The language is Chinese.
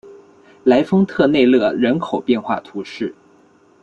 莱丰特内勒人口变化图示